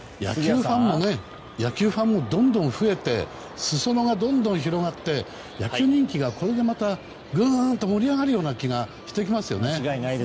野球ファンもどんどん増えて裾野がどんどん広がって野球人気が、これでまたグーンと盛り上がるような気がしてきますよね。